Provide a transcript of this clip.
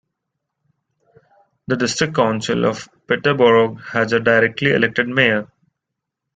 The District Council of Peterborough has a directly-elected mayor.